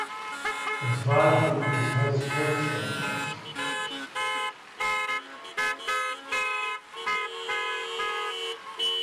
Das Wahlbündnis heißt “Volksallianz”.